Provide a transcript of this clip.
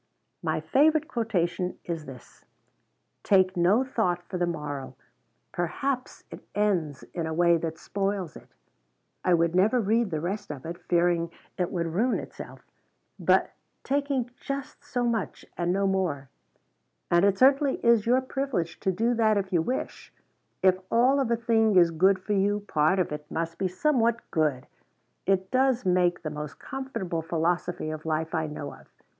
"My favorite quotation is this: 'Take no thought for the morrow.' Perhaps it ends in a way that spoils it; I would never read the rest of it, fearing it would ruin itself, but taking just so much and no more and it certainly is your privilege to do that if you wish if all of a thing is good for you, part of it must be somewhat good it does make the most comfortable philosophy of life I know of.